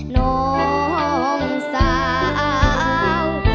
น้องสาว